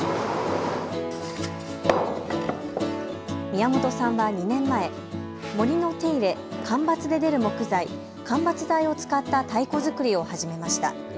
宮本さんは２年前、森の手入れ、間伐で出る木材、間伐材を使った太鼓作りを始めました。